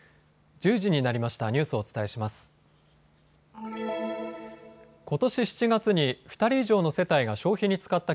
１０時になりました。